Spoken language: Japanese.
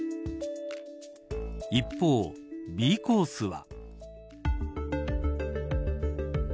一方、Ｂコースは。